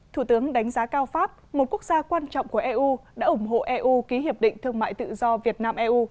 thủ tướng đánh giá cao pháp một quốc gia quan trọng của eu đã ủng hộ eu ký hiệp định thương mại tự do việt nam eu